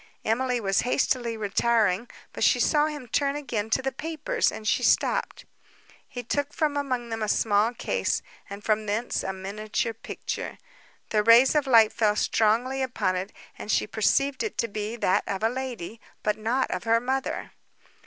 Emily was hastily retiring; but she saw him turn again to the papers, and she stopped. He took from among them a small case, and from thence a miniature picture. The rays of light fell strongly upon it, and she perceived it to be that of a lady, but not of her mother.